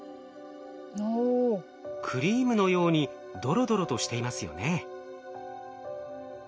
クリームのようにドロドロとしていますよね。